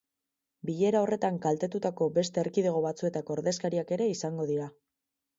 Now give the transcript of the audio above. Bilera horretan kaltetutako beste erkidego batzuetako ordezkariak ere izango dira.